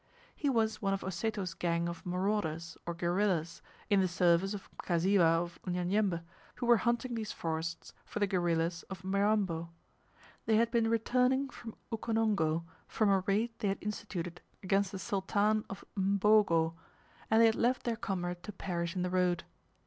He was one of Oseto's gang of marauders, or guerillas, in the service of Mkasiwa of Unyanyembe, who were hunting these forests for the guerillas of Mirambo. They had been returning from Ukonongo from a raid they had instituted against the Sultan of Mbogo, and they had left their comrade to perish in the road.